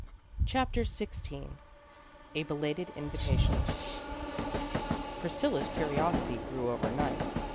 CHAPTER XVI A BELATED INVITATION PRISCILLA'S curiosity grew over night.